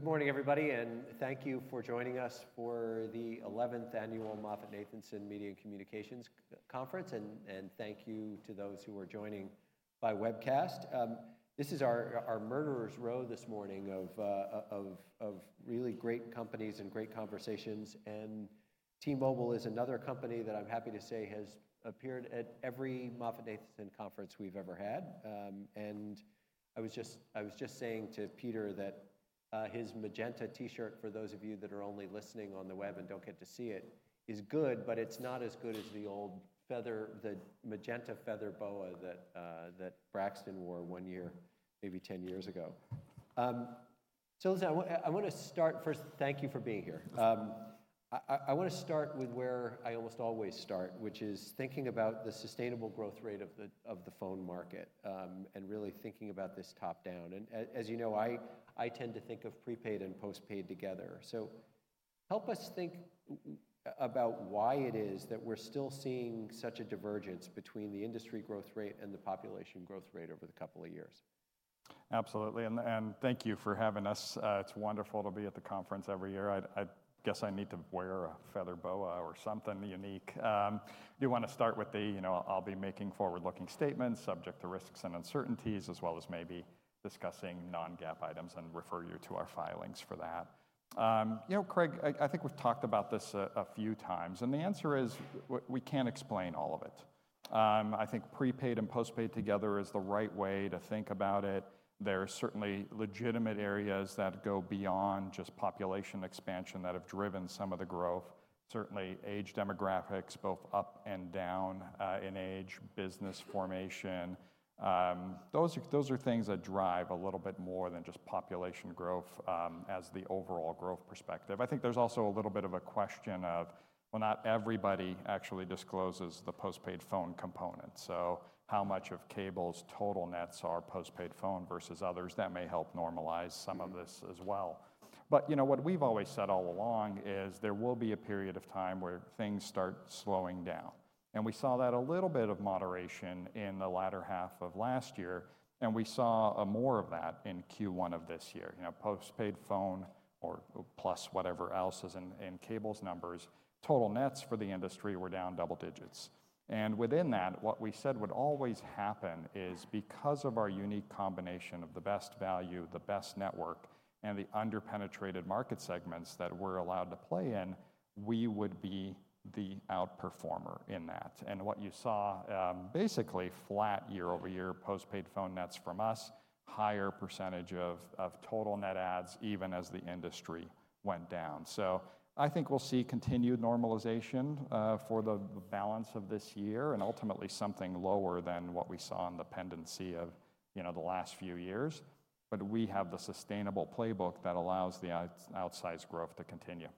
Good morning, everybody, and thank you for joining us for the 11th Annual MoffettNathanson Media and Communications Conference, and thank you to those who are joining by webcast. This is our murderers' row this morning of really great companies and great conversations, and T-Mobile is another company that I'm happy to say has appeared at every MoffettNathanson conference we've ever had. I was just saying to Peter that his magenta T-shirt, for those of you that are only listening on the web and don't get to see it, is good, but it's not as good as the old feather, the Magenta feather boa that Braxton wore 1 year, maybe 10 years ago. So listen, I wanna start first, thank you for being here. Yes. I wanna start with where I almost always start, which is thinking about the sustainable growth rate of the phone market, and really thinking about this top-down. And as you know, I tend to think of prepaid and postpaid together. So help us think about why it is that we're still seeing such a divergence between the industry growth rate and the population growth rate over the couple of years? Absolutely, and thank you for having us. It's wonderful to be at the conference every year. I guess I need to wear a feather boa or something unique. Do wanna start with the, you know, I'll be making forward-looking statements subject to risks and uncertainties, as well as maybe discussing non-GAAP items and refer you to our filings for that. You know, Craig, I think we've talked about this a few times, and the answer is, we can't explain all of it. I think prepaid and postpaid together is the right way to think about it. There are certainly legitimate areas that go beyond just population expansion that have driven some of the growth, certainly age demographics, both up and down, in age, business formation. Those are, those are things that drive a little bit more than just population growth, as the overall growth perspective. I think there's also a little bit of a question of, well, not everybody actually discloses the postpaid phone component, so how much of cable's total nets are postpaid phone versus others? That may help normalize some- Mm-hmm... of this as well. But, you know, what we've always said all along is, there will be a period of time where things start slowing down, and we saw that a little bit of moderation in the latter half of last year, and we saw more of that in Q1 of this year. You know, postpaid phone or plus whatever else is in, in cable's numbers, total nets for the industry were down double digits. And within that, what we said would always happen is, because of our unique combination of the best value, the best network, and the under-penetrated market segments that we're allowed to play in, we would be the out-performer in that. And what you saw, basically flat year-over-year postpaid phone nets from us, higher percentage of, of total net adds, even as the industry went down. So I think we'll see continued normalization for the balance of this year, and ultimately something lower than what we saw in the pendency of, you know, the last few years. But we have the sustainable playbook that allows the out- outsized growth to continue.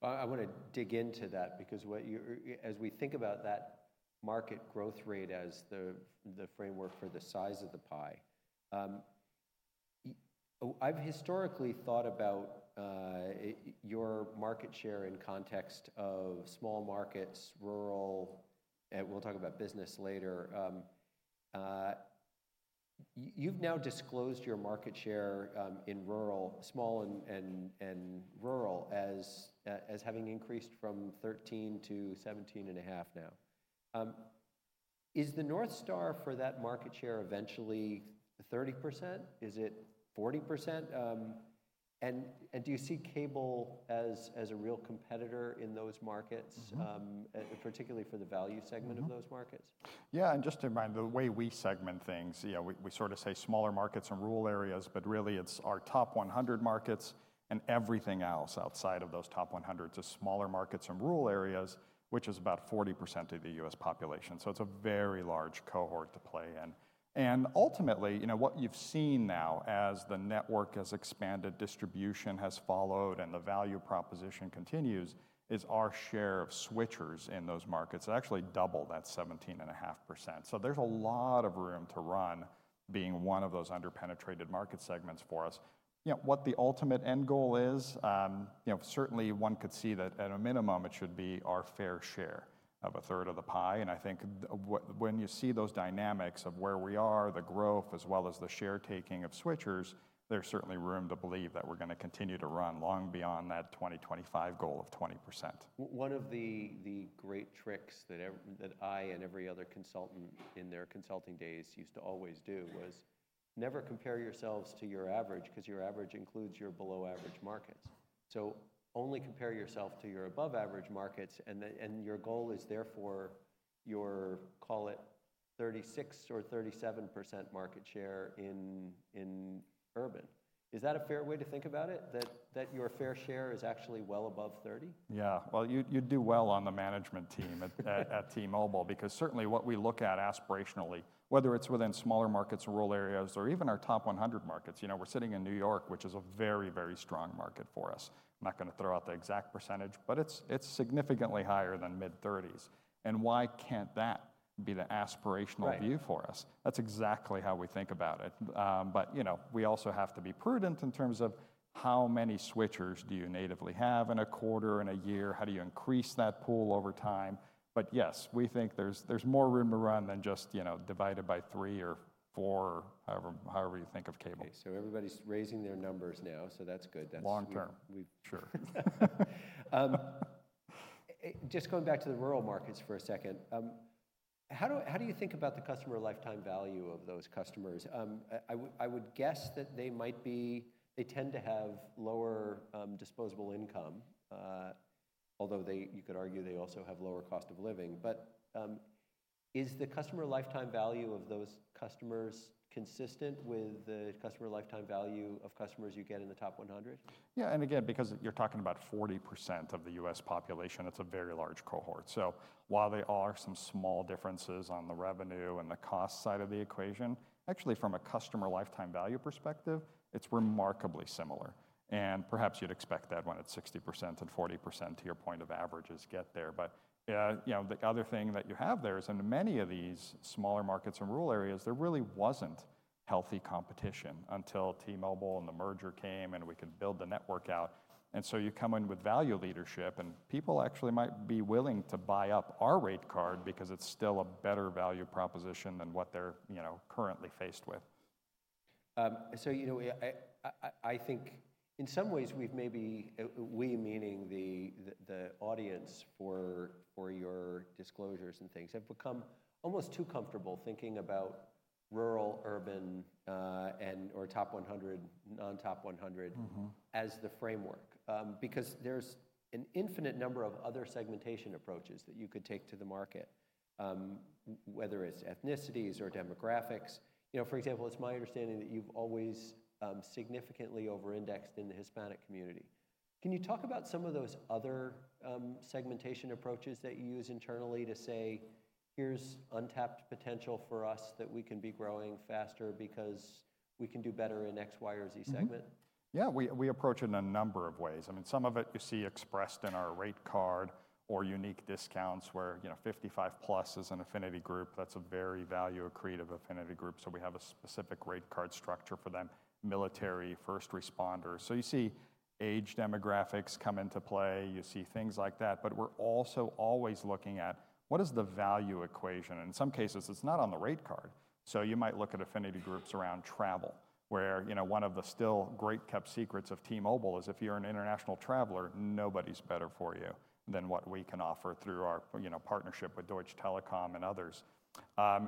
Well, I wanna dig into that because what you're as we think about that market growth rate as the framework for the size of the pie. I've historically thought about your market share in context of small markets, rural, and we'll talk about business later. You've now disclosed your market share in rural, small and rural, as having increased from 13 to 17.5 now. Is the north star for that market share eventually 30%? Is it 40%? And do you see cable as a real competitor in those markets- Mm-hmm... particularly for the value segment of those markets? Yeah, and just to remind, the way we segment things, you know, we sort of say smaller markets and rural areas, but really it's our top 100 markets, and everything else outside of those top 100 is smaller markets and rural areas, which is about 40% of the U.S. population, so it's a very large cohort to play in. And ultimately, you know, what you've seen now, as the network has expanded, distribution has followed, and the value proposition continues, is our share of switchers in those markets are actually double that 17.5%. So there's a lot of room to run, being one of those under-penetrated market segments for us. You know, what the ultimate end goal is, you know, certainly one could see that at a minimum it should be our fair share of a third of the pie. And I think when you see those dynamics of where we are, the growth, as well as the share taking of switchers, there's certainly room to believe that we're gonna continue to run long beyond that 2025 goal of 20%. One of the great tricks that I and every other consultant in their consulting days used to always do was, never compare yourselves to your average, 'cause your average includes your below-average markets. So only compare yourself to your above-average markets, and your goal is therefore your, call it, 36% or 37% market share in urban. Is that a fair way to think about it, that your fair share is actually well above 30%? Yeah. Well, you'd do well on the management team at T-Mobile, because certainly what we look at aspirationally, whether it's within smaller markets or rural areas, or even our top 100 markets, you know, we're sitting in New York, which is a very, very strong market for us. I'm not gonna throw out the exact percentage, but it's significantly higher than mid-30s%, and why can't that be the aspirational view for us? Right. That's exactly how we think about it. But, you know, we also have to be prudent in terms of, how many switchers do you natively have in a quarter, in a year? How do you increase that pool over time? But yes, we think there's more room to run than just, you know, divide it by three or four, however you think of cable. Okay, so everybody's raising their numbers now, so that's good. That's- Long term- We, we- Sure.... just going back to the rural markets for a second, how do you think about the customer lifetime value of those customers? I would guess that they tend to have lower disposable income, although they, you could argue they also have lower cost of living. But, is the customer lifetime value of those customers consistent with the customer lifetime value of customers you get in the top 100? Yeah, and again, because you're talking about 40% of the U.S. population, it's a very large cohort. So while there are some small differences on the revenue and the cost side of the equation, actually, from a customer lifetime value perspective, it's remarkably similar. And perhaps you'd expect that when it's 60% and 40% to your point of averages get there. But, you know, the other thing that you have there is, in many of these smaller markets and rural areas, there really wasn't healthy competition until T-Mobile and the merger came, and we could build the network out. And so you come in with value leadership, and people actually might be willing to buy up our rate card because it's still a better value proposition than what they're, you know, currently faced with. So, you know, I think in some ways, we've maybe, we meaning the audience for your disclosures and things, have become almost too comfortable thinking about rural, urban, and/or top 100, non-top 100- Mm-hmm... as the framework. Because there's an infinite number of other segmentation approaches that you could take to the market, whether it's ethnicities or demographics. You know, for example, it's my understanding that you've always significantly over-indexed in the Hispanic community. Can you talk about some of those other segmentation approaches that you use internally to say, "Here's untapped potential for us that we can be growing faster because we can do better in X, Y, or Z segment? Mm-hmm. Yeah, we approach it in a number of ways. I mean, some of it you see expressed in our rate card or unique discounts, where, you know, 55+ is an affinity group. That's a very value accretive affinity group, so we have a specific rate card structure for them, military, first responders. So you see age demographics come into play, you see things like that, but we're also always looking at what is the value equation? And in some cases, it's not on the rate card. So you might look at affinity groups around travel, where, you know, one of the still great kept secrets of T-Mobile is, if you're an international traveler, nobody's better for you than what we can offer through our, you know, partnership with Deutsche Telekom and others.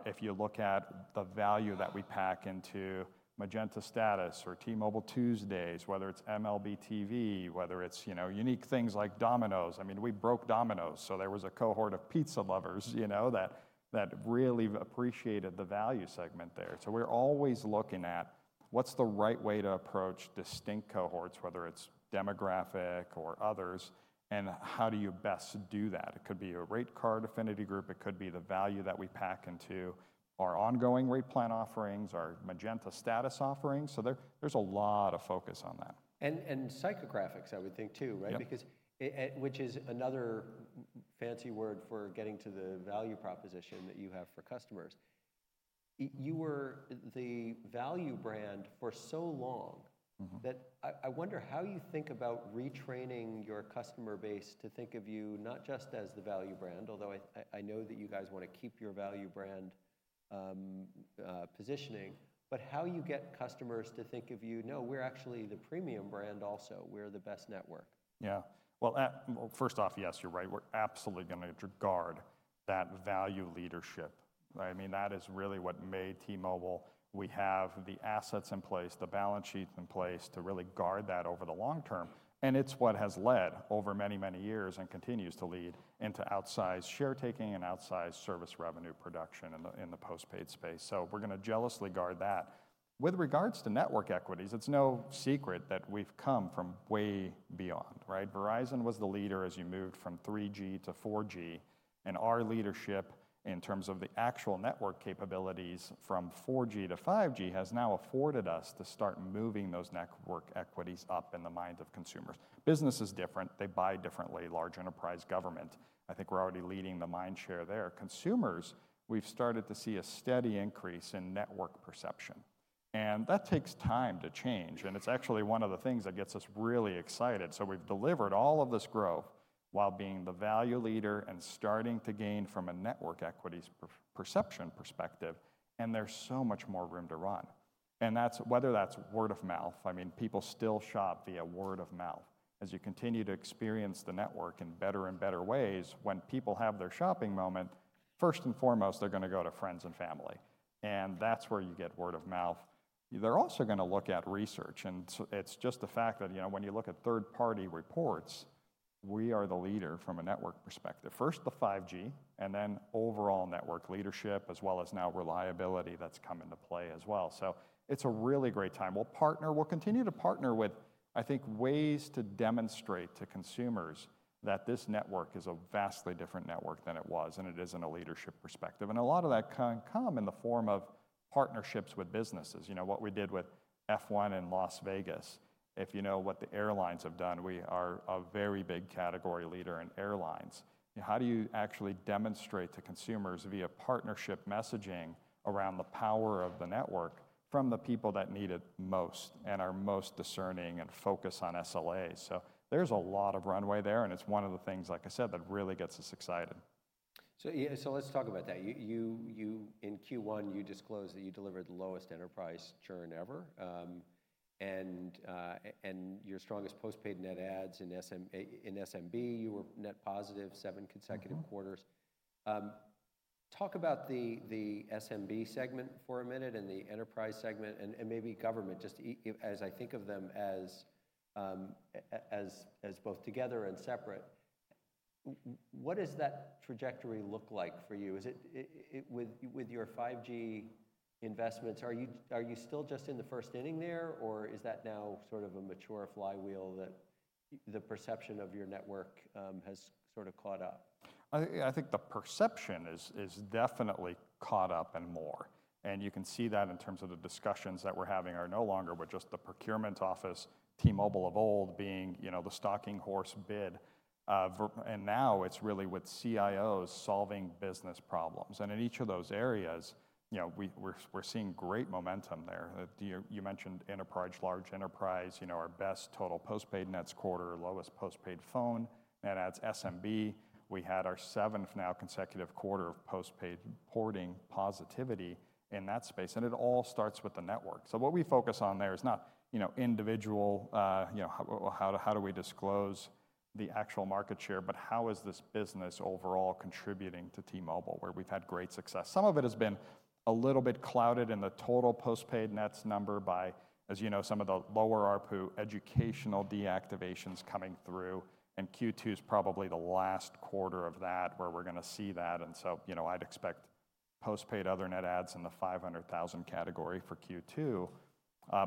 If you look at the value that we pack into Magenta Status or T-Mobile Tuesdays, whether it's MLB.TV, whether it's, you know, unique things like Domino's. I mean, we broke Domino's, so there was a cohort of pizza lovers, you know, that really appreciated the value segment there. So we're always looking at what's the right way to approach distinct cohorts, whether it's demographic or others, and how do you best do that? It could be a rate card affinity group. It could be the value that we pack into our ongoing rate plan offerings, our Magenta Status offerings, so there's a lot of focus on that. And psychographics, I would think, too, right? Yep. Because... Which is another fancy word for getting to the value proposition that you have for customers. You were the value brand for so long- Mm-hmm... that I wonder how you think about retraining your customer base to think of you not just as the value brand, although I know that you guys want to keep your value brand positioning, but how you get customers to think of you, "No, we're actually the premium brand also. We're the best network. Yeah. Well, first off, yes, you're right. We're absolutely gonna guard that value leadership, right? I mean, that is really what made T-Mobile. We have the assets in place, the balance sheets in place, to really guard that over the long term, and it's what has led over many, many years, and continues to lead, into outsized share taking and outsized service revenue production in the post-paid space. So we're gonna jealously guard that. With regards to network equities, it's no secret that we've come from way behind, right? Verizon was the leader as you moved from 3G to 4G, and our leadership in terms of the actual network capabilities from 4G to 5G has now afforded us to start moving those network equities up in the minds of consumers. Business is different. They buy differently, large enterprise, government. I think we're already leading the mind share there. Consumers, we've started to see a steady increase in network perception, and that takes time to change, and it's actually one of the things that gets us really excited. So we've delivered all of this growth while being the value leader and starting to gain from a network equities perception perspective, and there's so much more room to run. And that's, whether that's word of mouth, I mean, people still shop via word of mouth. As you continue to experience the network in better and better ways, when people have their shopping moment, first and foremost, they're gonna go to friends and family, and that's where you get word of mouth. They're also gonna look at research, and so it's just the fact that, you know, when you look at third-party reports, we are the leader from a network perspective. First, the 5G, and then overall network leadership, as well as now reliability that's come into play as well. So it's a really great time. We'll continue to partner with, I think, ways to demonstrate to consumers that this network is a vastly different network than it was, and it is in a leadership perspective. And a lot of that can come in the form of partnerships with businesses. You know, what we did with F1 in Las Vegas. If you know what the airlines have done, we are a very big category leader in airlines. How do you actually demonstrate to consumers via partnership messaging around the power of the network from the people that need it most and are most discerning and focus on SLAs? So there's a lot of runway there, and it's one of the things, like I said, that really gets us excited.... So yeah, so let's talk about that. In Q1, you disclosed that you delivered the lowest enterprise churn ever. And your strongest postpaid net adds in SMB, you were net positive seven consecutive quarters. Mm-hmm. Talk about the SMB segment for a minute, and the enterprise segment, and maybe government, just as I think of them as both together and separate. What does that trajectory look like for you? Is it with your 5G investments, are you still just in the first inning there, or is that now sort of a mature flywheel that the perception of your network has sort of caught up? I think the perception is definitely caught up and more, and you can see that in terms of the discussions that we're having are no longer with just the procurement office, T-Mobile of old being, you know, the stalking horse bid. And now it's really with CIOs solving business problems, and in each of those areas, you know, we're seeing great momentum there. You mentioned enterprise, large enterprise, you know, our best total postpaid nets quarter, lowest postpaid phone net adds SMB. We had our seventh now consecutive quarter of postpaid porting positivity in that space, and it all starts with the network. So what we focus on there is not, you know, individual, you know, how do we disclose the actual market share, but how is this business overall contributing to T-Mobile, where we've had great success. Some of it has been a little bit clouded in the total postpaid nets number by, as you know, some of the lower ARPU educational deactivations coming through, and Q2 is probably the last quarter of that, where we're gonna see that. And so, you know, I'd expect postpaid other net adds in the 500,000 category for Q2.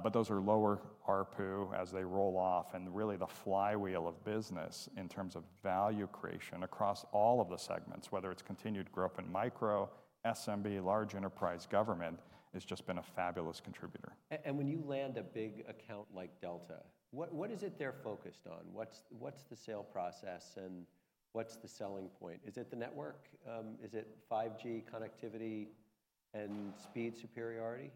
But those are lower ARPU as they roll off, and really the flywheel of business in terms of value creation across all of the segments, whether it's continued growth in micro, SMB, large enterprise, government, has just been a fabulous contributor. When you land a big account like Delta, what, what is it they're focused on? What's, what's the sale process, and what's the selling point? Is it the network? Is it 5G connectivity and speed superiority?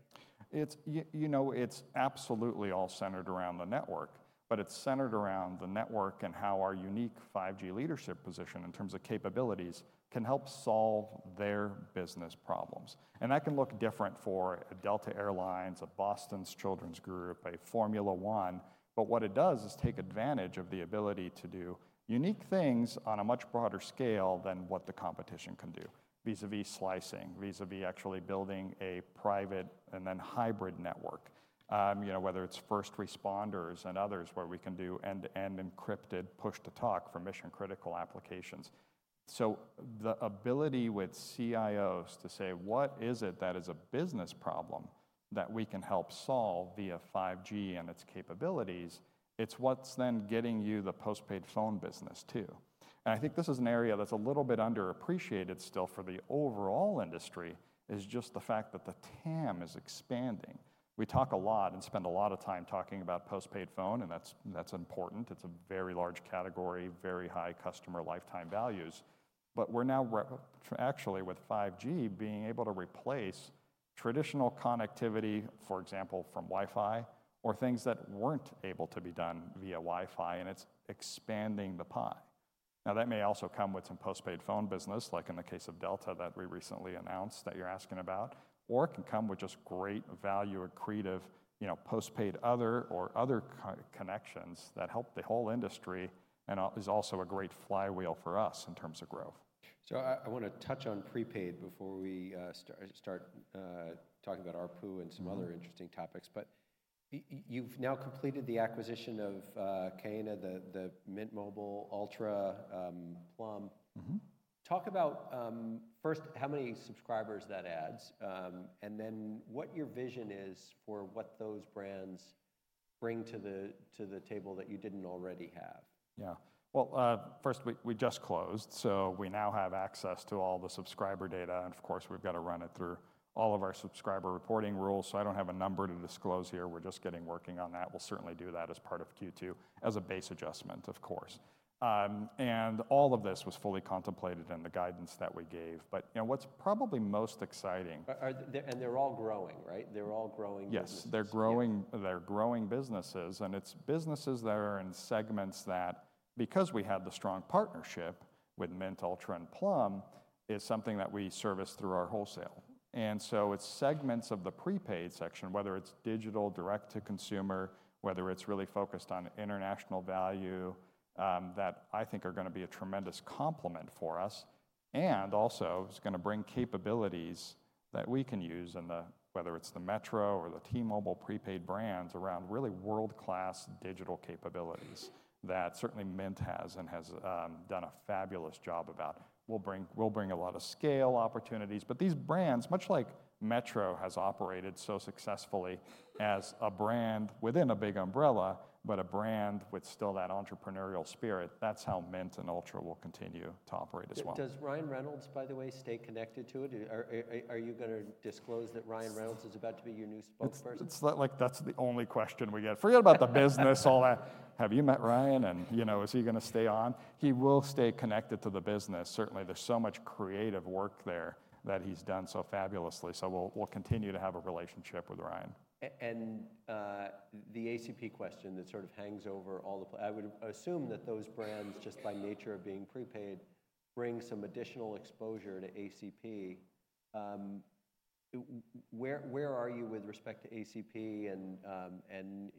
It's, you know, it's absolutely all centered around the network, but it's centered around the network and how our unique 5G leadership position, in terms of capabilities, can help solve their business problems. And that can look different for a Delta Air Lines, a Boston Children's Group, a Formula 1. But what it does, is take advantage of the ability to do unique things on a much broader scale than what the competition can do, vis-à-vis slicing, vis-à-vis actually building a private and then hybrid network. You know, whether it's first responders and others, where we can do end-to-end encrypted push-to-talk for mission-critical applications. So the ability with CIOs to say, "What is it that is a business problem that we can help solve via 5G and its capabilities?" It's what's then getting you the postpaid phone business too. I think this is an area that's a little bit underappreciated still for the overall industry, is just the fact that the TAM is expanding. We talk a lot and spend a lot of time talking about postpaid phone, and that's, that's important. It's a very large category, very high customer lifetime values. But we're now actually with 5G, being able to replace traditional connectivity, for example, from Wi-Fi or things that weren't able to be done via Wi-Fi, and it's expanding the pie. Now, that may also come with some postpaid phone business, like in the case of Delta, that we recently announced, that you're asking about. Or it can come with just great value accretive, you know, postpaid other or other connections that help the whole industry, and is also a great flywheel for us in terms of growth. So I wanna touch on prepaid before we start talking about ARPU. Mm-hmm... and some other interesting topics. But you've now completed the acquisition of Ka'ena, the Mint Mobile, Ultra, Plum. Mm-hmm. Talk about, first, how many subscribers that adds, and then what your vision is for what those brands bring to the, to the table that you didn't already have? Yeah. Well, first, we just closed, so we now have access to all the subscriber data, and of course, we've got to run it through all of our subscriber reporting rules, so I don't have a number to disclose here. We're just getting working on that. We'll certainly do that as part of Q2, as a base adjustment, of course. And all of this was fully contemplated in the guidance that we gave. But, you know, what's probably most exciting- And they're all growing, right? They're all growing businesses. Yes. Yeah. They're growing, they're growing businesses, and it's businesses that are in segments that, because we have the strong partnership with Mint, Ultra, and Plum, is something that we service through our wholesale. And so it's segments of the prepaid section, whether it's digital, direct-to-consumer, whether it's really focused on international value, that I think are gonna be a tremendous complement for us. And also, it's gonna bring capabilities that we can use in the, whether it's the Metro or the T-Mobile prepaid brands, around really world-class digital capabilities, that certainly Mint has and has, done a fabulous job about. We'll bring, we'll bring a lot of scale opportunities. But these brands, much like Metro, has operated so successfully as a brand within a big umbrella, but a brand with still that entrepreneurial spirit, that's how Mint and Ultra will continue to operate as well. Does Ryan Reynolds, by the way, stay connected to it? Are you gonna disclose that Ryan Reynolds is about to be your new spokesperson? It's like that's the only question we get. Forget about the business, all that. "Have you met Ryan?" And, you know, "Is he gonna stay on?" He will stay connected to the business, certainly. There's so much creative work there that he's done so fabulously, so we'll, we'll continue to have a relationship with Ryan. The ACP question that sort of hangs over all the players. I would assume that those brands, just by nature of being prepaid, bring some additional exposure to ACP. Where are you with respect to ACP and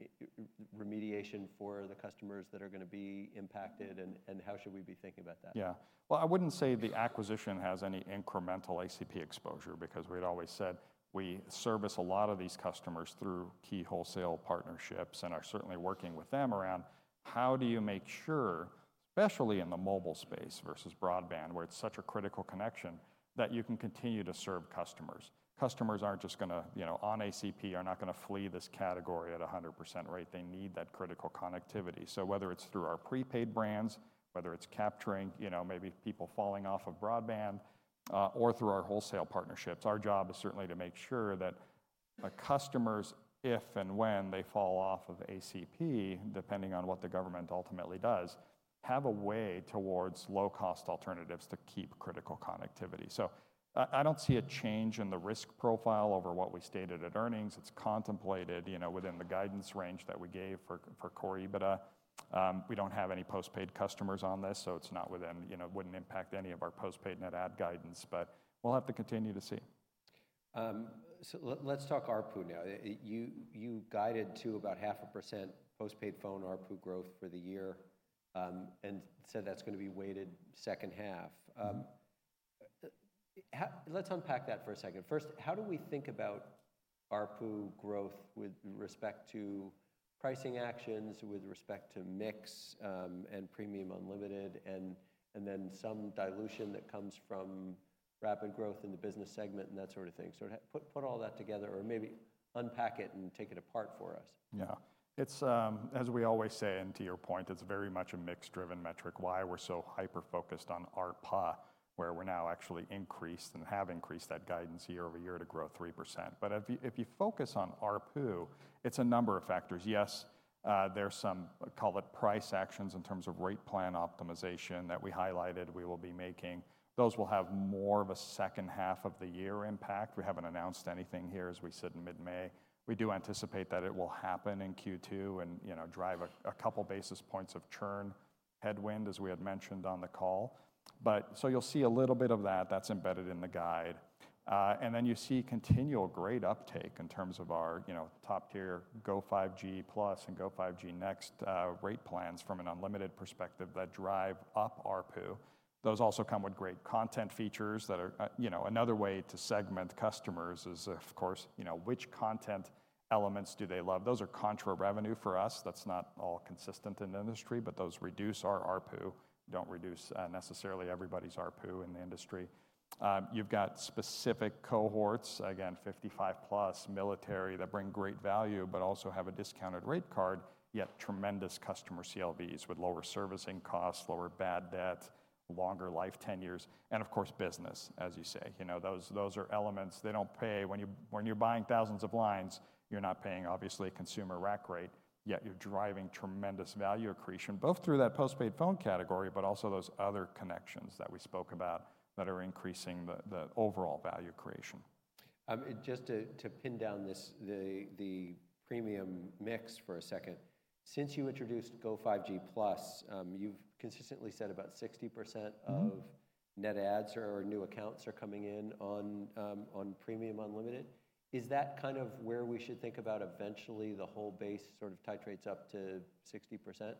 remediation for the customers that are going to be impacted, and how should we be thinking about that? Yeah. Well, I wouldn't say the acquisition has any incremental ACP exposure, because we'd always said we service a lot of these customers through key wholesale partnerships and are certainly working with them around how do you make sure, especially in the mobile space versus broadband, where it's such a critical connection, that you can continue to serve customers? Customers aren't just gonna, you know, on ACP, are not gonna flee this category at a 100% rate. They need that critical connectivity. So whether it's through our prepaid brands, whether it's capturing, you know, maybe people falling off of broadband, or through our wholesale partnerships, our job is certainly to make sure that the customers, if and when they fall off of ACP, depending on what the government ultimately does, have a way towards low-cost alternatives to keep critical connectivity. So, I don't see a change in the risk profile over what we stated at earnings. It's contemplated, you know, within the guidance range that we gave for core EBITDA. We don't have any postpaid customers on this, so it's not within, you know, wouldn't impact any of our postpaid net add guidance, but we'll have to continue to see. So, let's talk ARPU now. You guided to about 0.5% postpaid phone ARPU growth for the year, and said that's gonna be weighted second half. Let's unpack that for a second. First, how do we think about ARPU growth with respect to pricing actions, with respect to mix, and premium unlimited, and then some dilution that comes from rapid growth in the business segment and that sort of thing? So put all that together or maybe unpack it and take it apart for us. Yeah. It's as we always say, and to your point, it's very much a mix-driven metric, why we're so hyper-focused on ARPA, where we're now actually increased and have increased that guidance year-over-year to grow 3%. But if you, if you focus on ARPU, it's a number of factors. Yes, there are some, call it price actions in terms of rate plan optimization that we highlighted, we will be making. Those will have more of a second half of the year impact. We haven't announced anything here as we sit in mid-May. We do anticipate that it will happen in Q2 and, you know, drive a couple basis points of churn headwind, as we had mentioned on the call. But so you'll see a little bit of that. That's embedded in the guide. And then you see continual great uptake in terms of our, you know, top-tier Go5G Plus and Go5G Next, rate plans from an unlimited perspective that drive up ARPU. Those also come with great content features that are, you know, another way to segment customers is, of course, you know, which content elements do they love? Those are contra revenue for us. That's not all consistent in the industry, but those reduce our ARPU, don't reduce, necessarily everybody's ARPU in the industry. You've got specific cohorts, again, 55 plus, military, that bring great value, but also have a discounted rate card, yet tremendous customer CLVs with lower servicing costs, lower bad debt, longer life tenures, and of course, business, as you say. You know, those, those are elements, they don't pay... When you're buying thousands of lines, you're not paying obviously a consumer rack rate, yet you're driving tremendous value accretion, both through that postpaid phone category, but also those other connections that we spoke about that are increasing the overall value creation. Just to pin down this, the premium mix for a second, since you introduced Go5G Plus, you've consistently said about 60%- Mm-hmm... of net adds or new accounts are coming in on, on premium unlimited. Is that kind of where we should think about eventually the whole base sort of titrates up to 60%?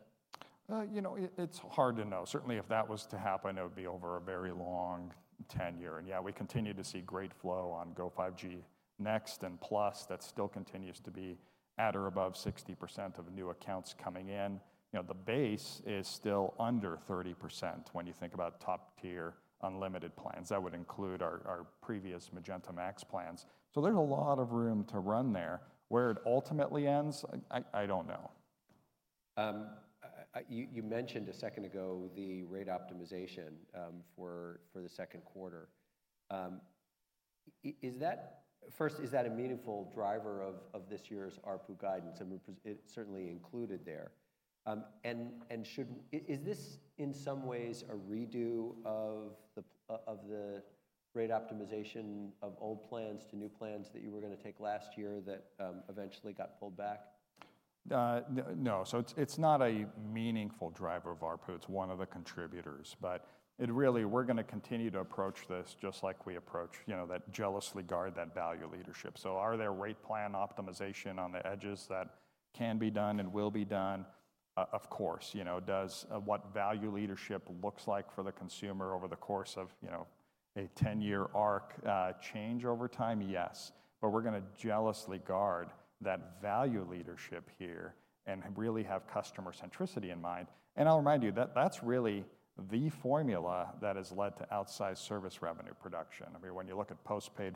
You know, it's hard to know. Certainly, if that was to happen, it would be over a very long tenure. And yeah, we continue to see great flow on Go5G Next and Plus. That still continues to be at or above 60% of new accounts coming in. You know, the base is still under 30% when you think about top-tier unlimited plans. That would include our previous Magenta MAX plans. So there's a lot of room to run there. Where it ultimately ends, I don't know. You mentioned a second ago the rate optimization for the second quarter. First, is that a meaningful driver of this year's ARPU guidance? I mean, it was, it certainly included there. And should... is this in some ways a redo of the rate optimization of old plans to new plans that you were gonna take last year that eventually got pulled back? No. So it's not a meaningful driver of ARPU. It's one of the contributors, but it really, we're gonna continue to approach this just like we approach, you know, that jealously guard that value leadership. So are there rate plan optimization on the edges that can be done and will be done? Of course. You know, does what value leadership looks like for the consumer over the course of, you know, a ten-year arc change over time? Yes, but we're gonna jealously guard that value leadership here and really have customer centricity in mind. And I'll remind you, that's really the formula that has led to outsized service revenue production. I mean, when you look at postpaid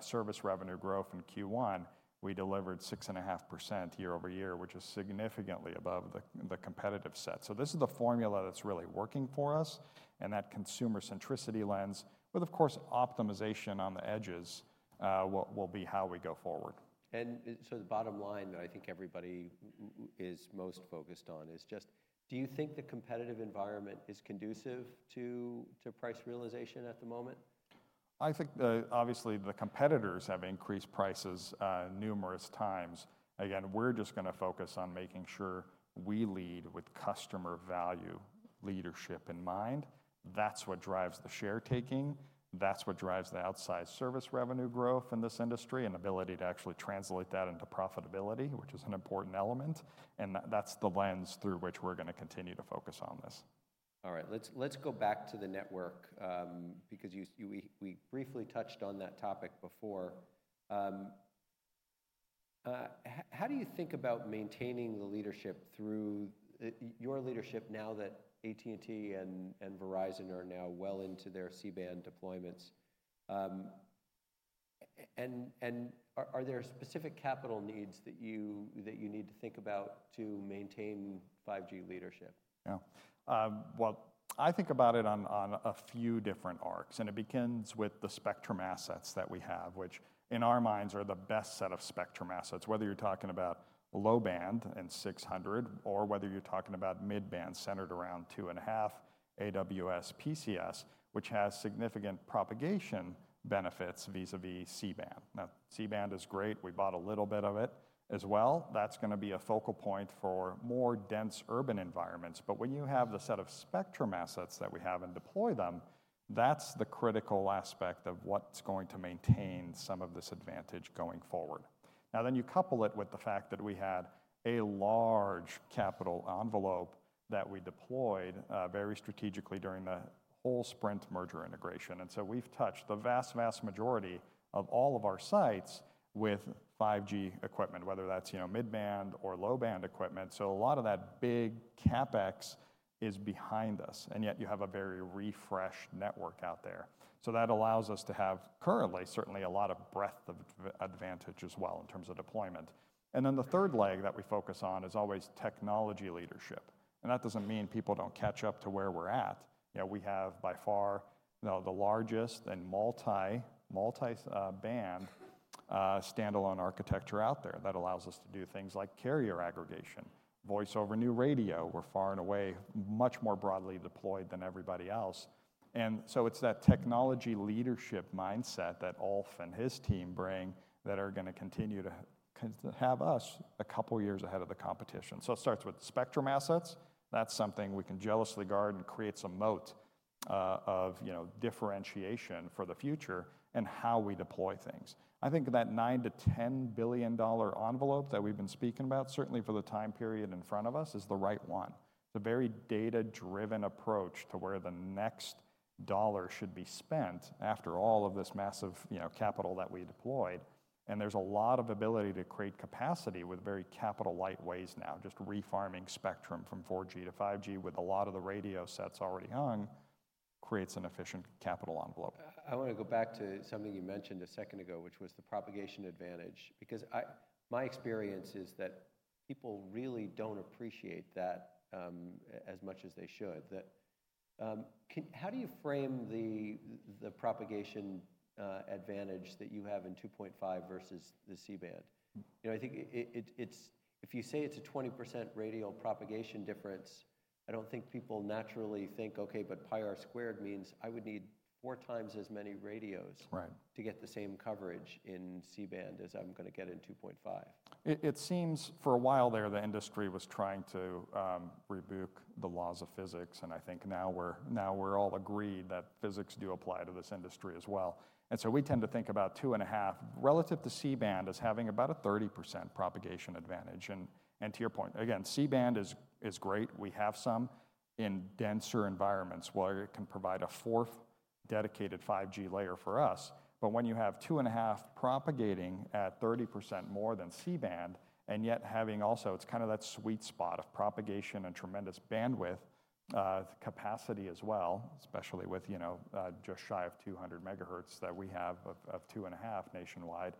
service revenue growth in Q1, we delivered 6.5% year-over-year, which is significantly above the competitive set. So this is the formula that's really working for us, and that consumer centricity lens, with, of course, optimization on the edges, will be how we go forward. And so the bottom line that I think everybody is most focused on is just, do you think the competitive environment is conducive to price realization at the moment? I think obviously, the competitors have increased prices numerous times. Again, we're just gonna focus on making sure we lead with customer value leadership in mind.... That's what drives the share taking, that's what drives the outsized service revenue growth in this industry, and ability to actually translate that into profitability, which is an important element, and that's the lens through which we're gonna continue to focus on this. All right, let's go back to the network, because we briefly touched on that topic before. How do you think about maintaining the leadership through your leadership now that AT&T and Verizon are now well into their C-band deployments? And are there specific capital needs that you need to think about to maintain 5G leadership? Yeah. Well, I think about it on a few different arcs, and it begins with the spectrum assets that we have, which in our minds, are the best set of spectrum assets. Whether you're talking about low-band and 600, or whether you're talking about mid-band, centered around 2.5 AWS PCS, which has significant propagation benefits vis-à-vis C-band. Now, C-band is great, we bought a little bit of it as well. That's gonna be a focal point for more dense urban environments. But when you have the set of spectrum assets that we have and deploy them, that's the critical aspect of what's going to maintain some of this advantage going forward. Now, then you couple it with the fact that we had a large capital envelope that we deployed, very strategically during the whole Sprint merger integration. And so we've touched the vast, vast majority of all of our sites with 5G equipment, whether that's, you know, mid-band or low-band equipment. So a lot of that big CapEx is behind us, and yet you have a very refreshed network out there. So that allows us to have currently, certainly a lot of breadth of advantage as well, in terms of deployment. And then the third leg that we focus on is always technology leadership, and that doesn't mean people don't catch up to where we're at. You know, we have by far, you know, the largest and multi-band standalone architecture out there, that allows us to do things like carrier aggregation, Voice over new radio. We're far and away much more broadly deployed than everybody else. And so it's that technology leadership mindset that Ulf and his team bring, that are gonna continue to have us a couple of years ahead of the competition. So it starts with spectrum assets, that's something we can jealously guard and creates a moat of, you know, differentiation for the future and how we deploy things. I think that $9-$10 billion envelope that we've been speaking about, certainly for the time period in front of us, is the right one. It's a very data-driven approach to where the next dollar should be spent, after all of this massive, you know, capital that we deployed. And there's a lot of ability to create capacity with very capital light ways now, just refarming spectrum from 4G to 5G, with a lot of the radio sets already hung, creates an efficient capital envelope. I wanna go back to something you mentioned a second ago, which was the propagation advantage, because my experience is that people really don't appreciate that as much as they should. That, how do you frame the propagation advantage that you have in 2.5 versus the C-band? You know, I think it's if you say it's a 20% radial propagation difference, I don't think people naturally think, "Okay, but pi r squared means I would need 4 times as many radios- Right. -to get the same coverage in C-band, as I'm gonna get in 2.5. It seems for a while there, the industry was trying to rebuke the laws of physics, and I think now we're all agreed that physics do apply to this industry as well. And so we tend to think about 2.5 relative to C-band, as having about a 30% propagation advantage. And to your point, again, C-band is great, we have some in denser environments, where it can provide a fourth dedicated 5G layer for us. But when you have 2.5 propagating at 30% more than C-band, and yet having also... It's kind of that sweet spot of propagation and tremendous bandwidth, capacity as well, especially with, you know, just shy of 200 MHz that we have of 2.5 nationwide,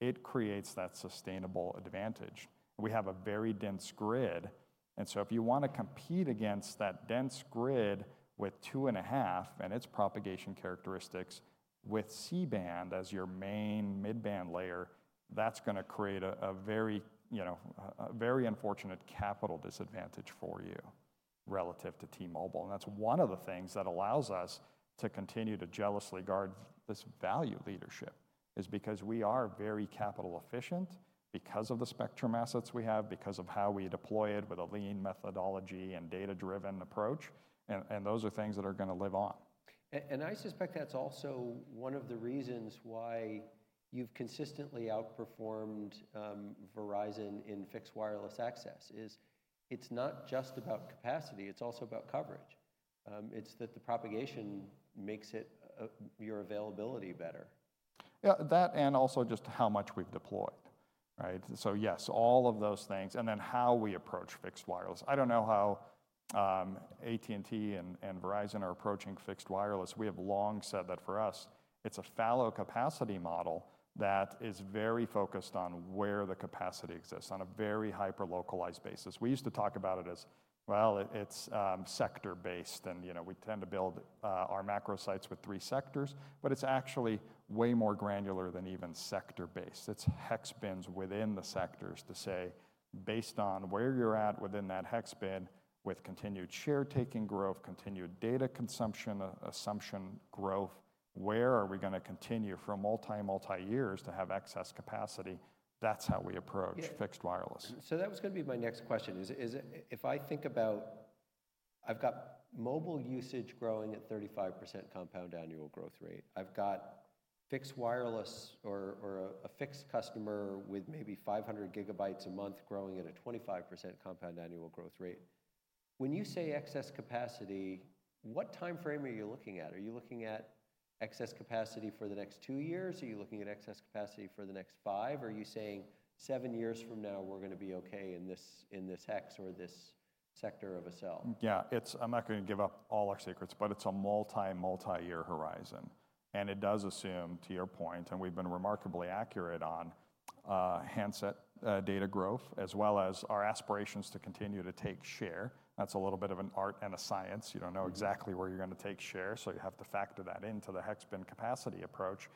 it creates that sustainable advantage. We have a very dense grid, and so if you wanna compete against that dense grid with 2.5, and its propagation characteristics, with C-band as your main mid-band layer, that's gonna create a, a very, you know, a, a very unfortunate capital disadvantage for you relative to T-Mobile. And that's one of the things that allows us to continue to jealously guard this value leadership, is because we are very capital efficient because of the spectrum assets we have, because of how we deploy it with a lean methodology and data-driven approach, and, and those are things that are gonna live on. I suspect that's also one of the reasons why you've consistently outperformed Verizon in fixed wireless access, is it's not just about capacity, it's also about coverage. It's that the propagation makes it your availability better. Yeah, that and also just how much we've deployed, right? So yes, all of those things, and then how we approach fixed wireless. I don't know how AT&T and Verizon are approaching fixed wireless. We have long said that for us, it's a fallow capacity model that is very focused on where the capacity exists, on a very hyper localized basis. We used to talk about it as, well, it's sector-based and, you know, we tend to build our macro sites with three sectors, but it's actually way more granular than even sector-based. It's hex bins within the sectors to say, based on where you're at within that hex bin, with continued share taking growth, continued data consumption assumption growth, where are we gonna continue for multi years to have excess capacity? That's how we approach- Yeah... fixed wireless. So that was gonna be my next question, is it - if I think about I've got mobile usage growing at 35% compound annual growth rate. I've got fixed wireless or a fixed customer with maybe 500 GB a month growing at a 25% compound annual growth rate. When you say excess capacity, what timeframe are you looking at? Are you looking at excess capacity for the next two years? Are you looking at excess capacity for the next five? Are you saying seven years from now, we're gonna be okay in this, in this hex or this sector of a cell? Yeah, it's. I'm not gonna give up all our secrets, but it's a multi, multi-year horizon, and it does assume, to your point, and we've been remarkably accurate on, handset data growth, as well as our aspirations to continue to take share. That's a little bit of an art and a science. You don't know- Mm-hmm... exactly where you're gonna take share, so you have to factor that into the hex bin capacity approach.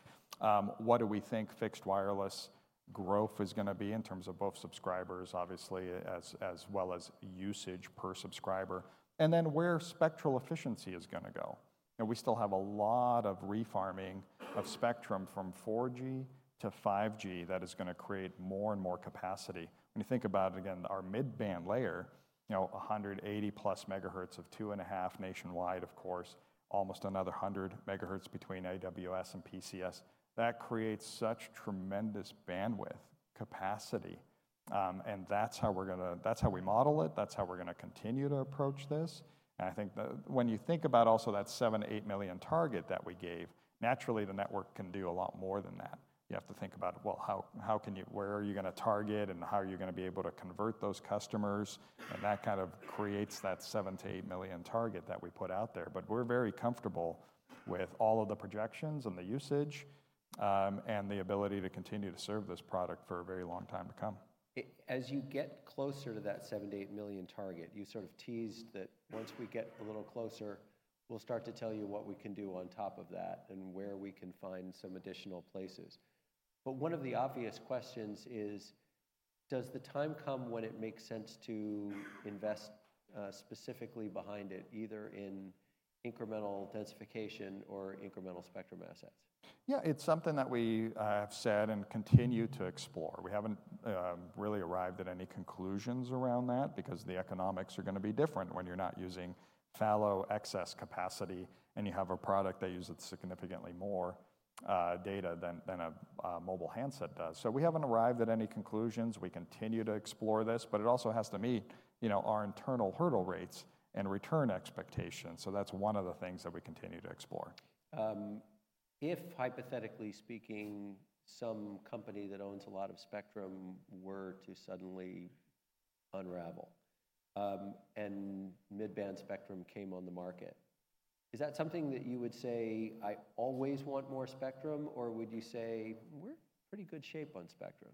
What do we think fixed wireless growth is gonna be in terms of both subscribers, obviously, as, as well as usage per subscriber, and then where spectral efficiency is gonna go? You know, we still have a lot of refarming of spectrum from 4G to 5G that is gonna create more and more capacity. When you think about it, again, our mid-band layer, you know, 180+ megahertz of 2.5 nationwide, of course, almost another 100 megahertz between AWS and PCS, that creates such tremendous bandwidth capacity. And that's how we're gonna. That's how we model it, that's how we're gonna continue to approach this. I think the—when you think about also that 7-8 million target that we gave, naturally, the network can do a lot more than that. You have to think about, well, how can you... Where are you gonna target, and how are you gonna be able to convert those customers? And that kind of creates that 7-8 million target that we put out there. But we're very comfortable with all of the projections and the usage, and the ability to continue to serve this product for a very long time to come. As you get closer to that 7-8 million target, you sort of teased that once we get a little closer, we'll start to tell you what we can do on top of that and where we can find some additional places. But one of the obvious questions is: Does the time come when it makes sense to invest specifically behind it, either in incremental densification or incremental spectrum assets? Yeah, it's something that we have said and continue to explore. We haven't really arrived at any conclusions around that because the economics are gonna be different when you're not using fallow excess capacity, and you have a product that uses significantly more data than a mobile handset does. So we haven't arrived at any conclusions. We continue to explore this, but it also has to meet, you know, our internal hurdle rates and return expectations, so that's one of the things that we continue to explore. If hypothetically speaking, some company that owns a lot of spectrum were to suddenly unravel, and mid-band spectrum came on the market, is that something that you would say, "I always want more spectrum?" Or would you say, "We're in pretty good shape on spectrum?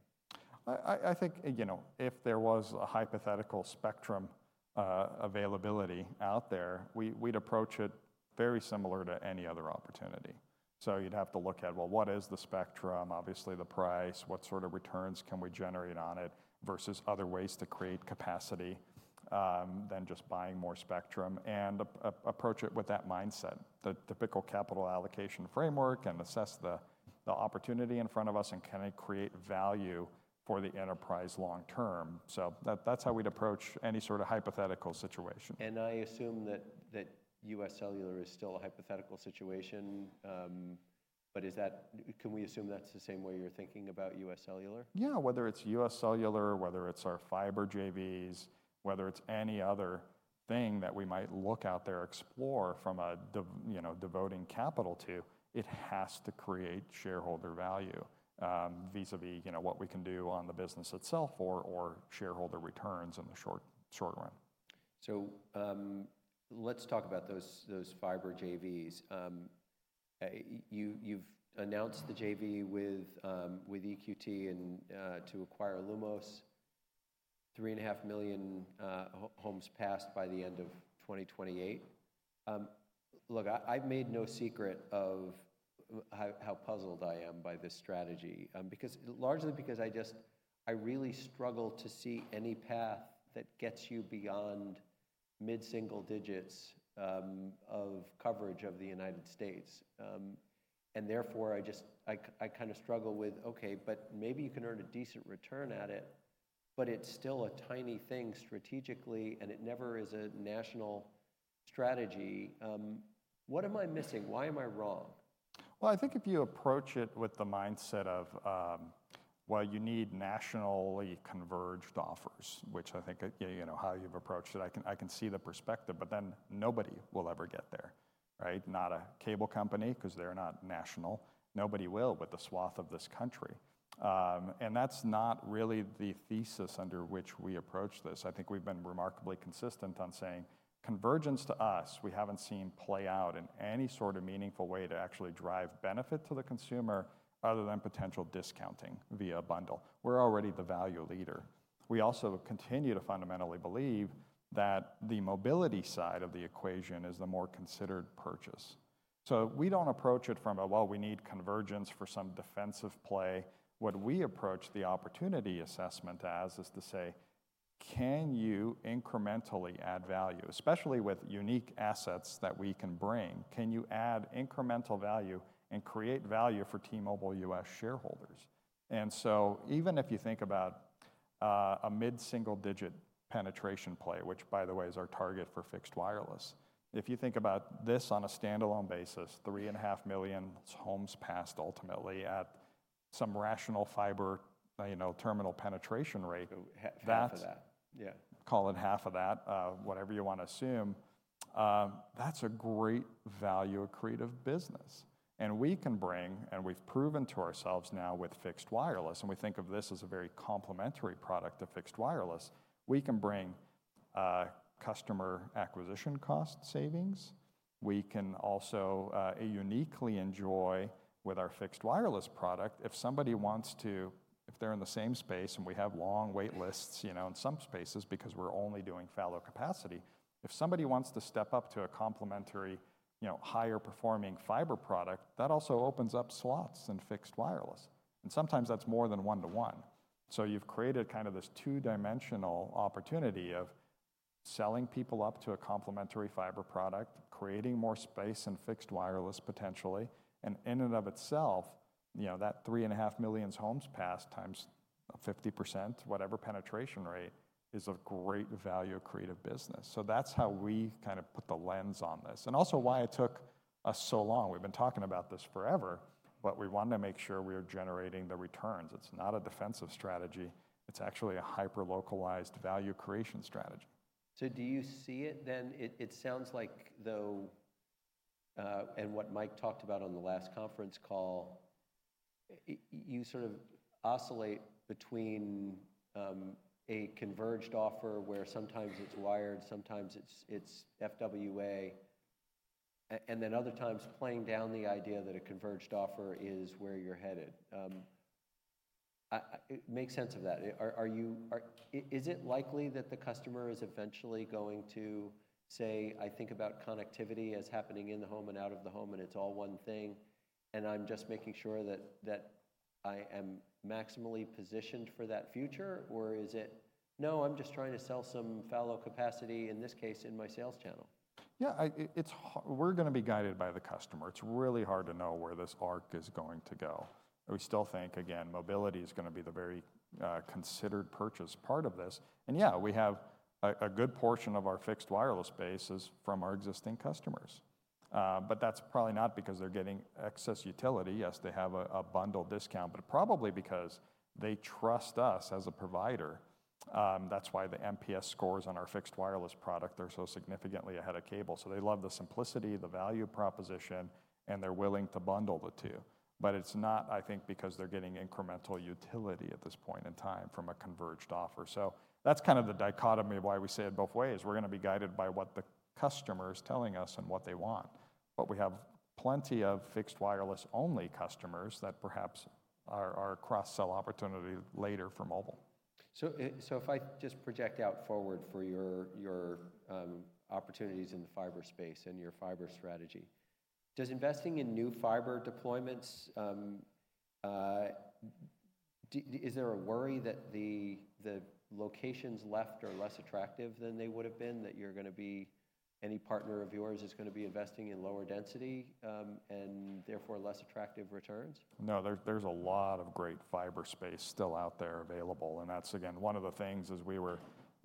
I think, you know, if there was a hypothetical spectrum availability out there, we'd approach it very similar to any other opportunity. So you'd have to look at, well, what is the spectrum? Obviously, the price, what sort of returns can we generate on it versus other ways to create capacity than just buying more spectrum, and approach it with that mindset. The typical capital allocation framework, and assess the opportunity in front of us, and can it create value for the enterprise long term? So that's how we'd approach any sort of hypothetical situation. I assume that UScellular is still a hypothetical situation, but is that... Can we assume that's the same way you're thinking about UScellular? Yeah. Whether it's UScellular, whether it's our fiber JVs, whether it's any other thing that we might look out there or explore from a, you know, devoting capital to, it has to create shareholder value, vis-à-vis, you know, what we can do on the business itself or, or shareholder returns in the short, short run. So, let's talk about those fiber JVs. You've announced the JV with EQT and to acquire Lumos, 3.5 million homes passed by the end of 2028. Look, I've made no secret of how puzzled I am by this strategy, because largely because I really struggle to see any path that gets you beyond mid-single digits of coverage of the United States. And therefore, I just kind of struggle with, okay, but maybe you can earn a decent return at it, but it's still a tiny thing strategically, and it never is a national strategy. What am I missing? Why am I wrong? Well, I think if you approach it with the mindset of, well, you need nationally converged offers, which I think, you know, how you've approached it, I can, I can see the perspective, but then nobody will ever get there, right? Not a cable company, 'cause they're not national. Nobody will, but the swath of this country. And that's not really the thesis under which we approach this. I think we've been remarkably consistent on saying, "Convergence to us, we haven't seen play out in any sort of meaningful way to actually drive benefit to the consumer, other than potential discounting via a bundle." We're already the value leader. We also continue to fundamentally believe that the mobility side of the equation is the more considered purchase. So we don't approach it from a, "Well, we need convergence for some defensive play." What we approach the opportunity assessment as, is to say: Can you incrementally add value, especially with unique assets that we can bring? Can you add incremental value and create value for T-Mobile US shareholders? And so even if you think about a mid-single-digit penetration play, which, by the way, is our target for fixed wireless. If you think about this on a standalone basis, 3.5 million homes passed ultimately at some rational fiber, you know, terminal penetration rate- Half of that. That's- Yeah. Call it half of that, whatever you want to assume, that's a great value accretive business, and we can bring, and we've proven to ourselves now with fixed wireless, and we think of this as a very complementary product to fixed wireless, we can bring, customer acquisition cost savings. We can also, uniquely enjoy with our fixed wireless product, if somebody wants to-- if they're in the same space, and we have long wait lists, you know, in some spaces because we're only doing fallow capacity. If somebody wants to step up to a complementary, you know, higher performing fiber product, that also opens up slots in fixed wireless, and sometimes that's more than one to one. So you've created kind of this two-dimensional opportunity of selling people up to a complementary fiber product, creating more space in fixed wireless potentially, and in and of itself, you know, that 3.5 million homes passed times 50%, whatever penetration rate, is a great value accretive business. So that's how we kind of put the lens on this, and also why it took us so long. We've been talking about this forever, but we want to make sure we are generating the returns. It's not a defensive strategy. It's actually a hyper-localized value creation strategy. So do you see it then? It sounds like, though, what Mike talked about on the last conference call, you sort of oscillate between a converged offer, where sometimes it's wired, sometimes it's FWA, and then other times playing down the idea that a converged offer is where you're headed? I make sense of that. Is it likely that the customer is eventually going to say, "I think about connectivity as happening in the home and out of the home, and it's all one thing, and I'm just making sure that I am maximally positioned for that future?" Or is it, "No, I'm just trying to sell some fallow capacity, in this case, in my sales channel? Yeah, it's hard. We're going to be guided by the customer. It's really hard to know where this arc is going to go. We still think, again, mobility is going to be the very considered purchase part of this. And yeah, we have a good portion of our fixed wireless base from our existing customers, but that's probably not because they're getting excess utility. Yes, they have a bundle discount, but probably because they trust us as a provider. That's why the NPS scores on our fixed wireless product are so significantly ahead of cable. So they love the simplicity, the value proposition, and they're willing to bundle the two. But it's not, I think, because they're getting incremental utility at this point in time from a converged offer. So that's kind of the dichotomy of why we say it both ways. We're going to be guided by what the customer is telling us and what they want, but we have plenty of fixed wireless-only customers that perhaps are a cross-sell opportunity later for mobile. So, if I just project out forward for your opportunities in the fiber space and your fiber strategy, does investing in new fiber deployments—is there a worry that the locations left are less attractive than they would have been, that you're gonna be—any partner of yours is gonna be investing in lower density and therefore less attractive returns? No, there's a lot of great fiber space still out there available, and that's, again, one of the things as we were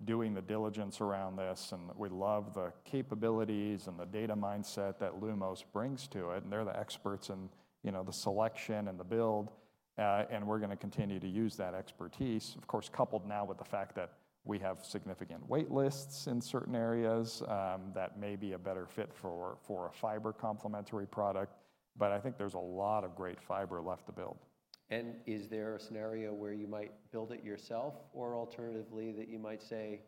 doing the diligence around this, and we love the capabilities and the data mindset that Lumos brings to it, and they're the experts in, you know, the selection and the build, and we're gonna continue to use that expertise. Of course, coupled now with the fact that we have significant wait lists in certain areas, that may be a better fit for a fiber complementary product, but I think there's a lot of great fiber left to build. Is there a scenario where you might build it yourself, or alternatively, that you might say,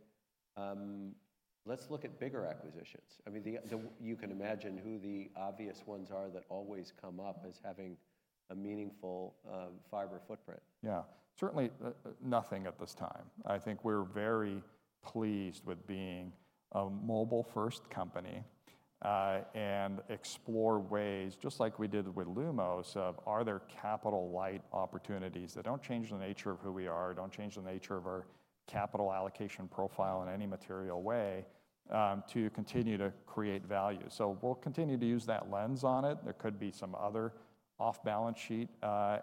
"Let's look at bigger acquisitions?" I mean, you can imagine who the obvious ones are that always come up as having a meaningful fiber footprint. Yeah. Certainly, nothing at this time. I think we're very pleased with being a mobile-first company, and explore ways, just like we did with Lumos, of are there capital-light opportunities that don't change the nature of who we are, don't change the nature of our capital allocation profile in any material way, to continue to create value? So we'll continue to use that lens on it. There could be some other off-balance sheet,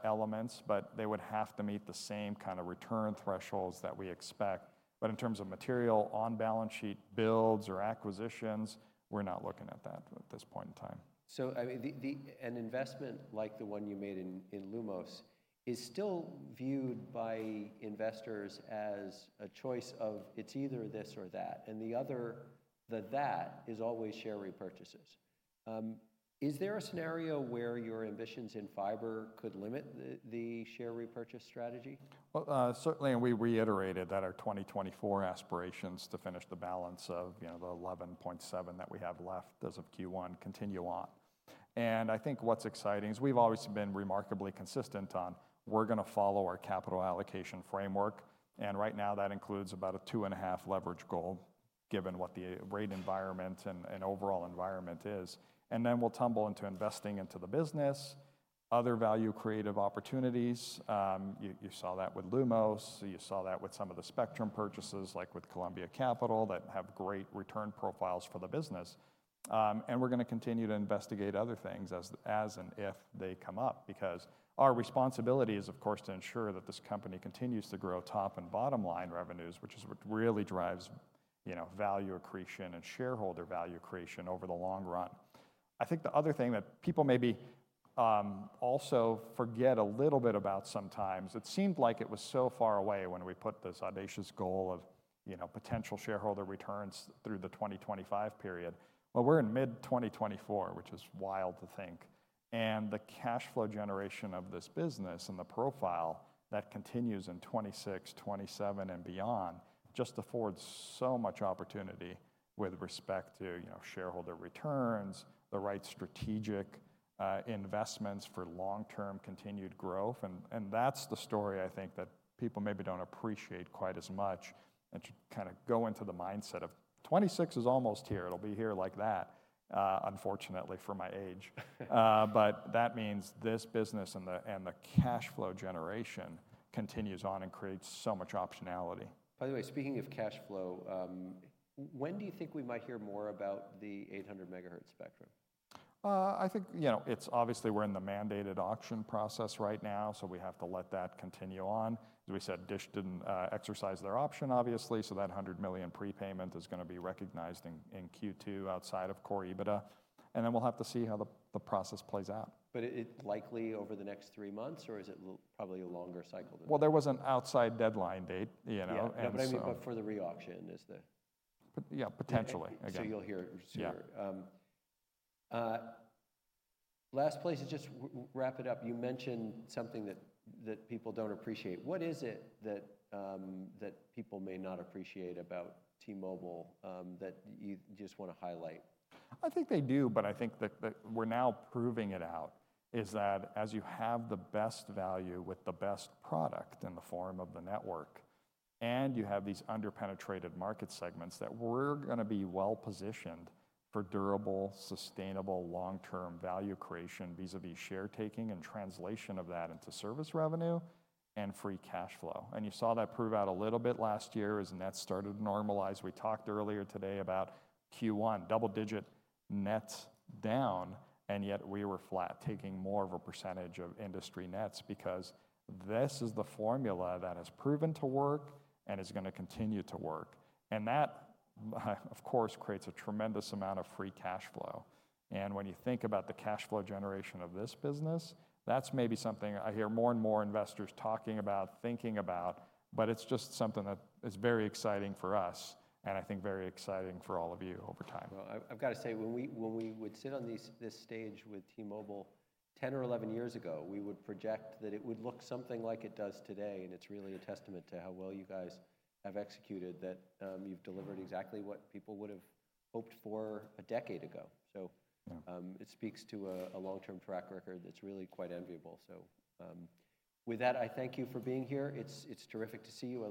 elements, but they would have to meet the same kind of return thresholds that we expect. But in terms of material on-balance sheet builds or acquisitions, we're not looking at that at this point in time. So, I mean, an investment like the one you made in Lumos is still viewed by investors as a choice of it's either this or that, and the other, that, is always share repurchases. Is there a scenario where your ambitions in fiber could limit the share repurchase strategy? Well, certainly, and we reiterated that our 2024 aspirations to finish the balance of, you know, the 11.7 that we have left as of Q1 continue on. And I think what's exciting is we've always been remarkably consistent on we're gonna follow our capital allocation framework, and right now, that includes about a 2.5 leverage goal, given what the rate environment and overall environment is. And then we'll tumble into investing into the business, other value accretive opportunities. You saw that with Lumos. You saw that with some of the spectrum purchases, like with Columbia Capital, that have great return profiles for the business. And we're gonna continue to investigate other things as and if they come up, because our responsibility is, of course, to ensure that this company continues to grow top and bottom-line revenues, which is what really drives-... You know, value accretion and shareholder value creation over the long run. I think the other thing that people maybe also forget a little bit about sometimes, it seemed like it was so far away when we put this audacious goal of, you know, potential shareholder returns through the 2025 period. Well, we're in mid-2024, which is wild to think, and the cash flow generation of this business and the profile that continues in 2026, 2027, and beyond, just affords so much opportunity with respect to, you know, shareholder returns, the right strategic investments for long-term continued growth. And that's the story I think that people maybe don't appreciate quite as much, and to kinda go into the mindset of... 2026 is almost here. It'll be here like that, unfortunately for my age. But that means this business and the cash flow generation continues on and creates so much optionality. By the way, speaking of cash flow, when do you think we might hear more about the 800 MHz spectrum? I think, you know, it's obviously we're in the mandated auction process right now, so we have to let that continue on. As we said, DISH didn't exercise their option, obviously, so that $100 million prepayment is gonna be recognized in Q2 outside of core EBITDA, and then we'll have to see how the process plays out. But is it likely over the next three months, or is it probably a longer cycle than that? Well, there was an outside deadline date, you know, and so- Yeah, but I mean, for the re-auction is the- Yeah, potentially, again. So you'll hear it sooner. Yeah. Last place to just wrap it up. You mentioned something that, that people don't appreciate. What is it that, that people may not appreciate about T-Mobile, that you just wanna highlight? I think they do, but I think that, that we're now proving it out, is that as you have the best value with the best product in the form of the network, and you have these under-penetrated market segments, that we're gonna be well-positioned for durable, sustainable, long-term value creation, vis-à-vis share taking and translation of that into service revenue and free cash flow. And you saw that prove out a little bit last year as nets started to normalize. We talked earlier today about Q1, double-digit nets down, and yet we were flat, taking more of a percentage of industry nets because this is the formula that has proven to work and is gonna continue to work. And that, of course, creates a tremendous amount of free cash flow. When you think about the cash flow generation of this business, that's maybe something I hear more and more investors talking about, thinking about, but it's just something that is very exciting for us, and I think very exciting for all of you over time. Well, I've gotta say, when we would sit on this stage with T-Mobile 10 or 11 years ago, we would project that it would look something like it does today, and it's really a testament to how well you guys have executed, that you've delivered exactly what people would've hoped for a decade ago. Yeah. It speaks to a long-term track record that's really quite enviable. With that, I thank you for being here. It's terrific to see you all.